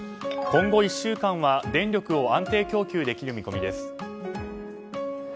今後１週間は電力を安定供給できる見込みです。